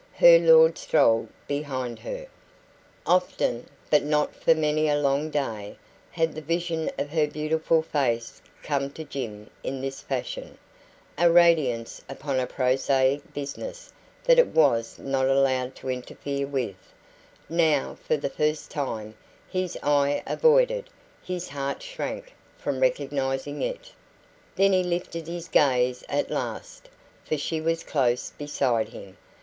Her lord strolled behind her. Often but not for many a long day had the vision of her beautiful face come to Jim in this fashion, a radiance upon prosaic business that it was not allowed to interfere with; now, for the first time, his eye avoided, his heart shrank from recognising it. Then he lifted his gaze at last, for she was close beside him.